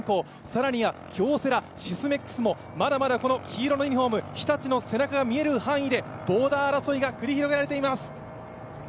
更には京セラ、シスメックスもまだまだ黄色のユニフォーム、日立の背中が見える範囲でボーダー争いが繰り広げられています。